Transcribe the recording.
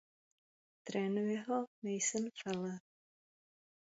Trénuje ho Mason Fuller.